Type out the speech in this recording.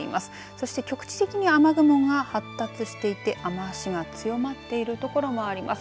そして局地的に雨雲が発達していて雨足が強まっているところもあります。